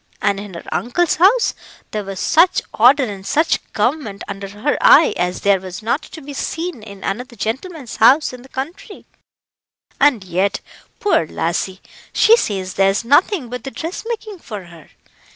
And in her uncle's house there was such order and such government under her eye as there was not to be seen in another gentleman's house in the country. And yet, poor lassie, she says there's nothing but the dressmaking for her.